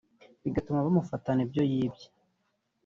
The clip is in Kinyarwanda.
bigatuma bamufatana ibyo yibye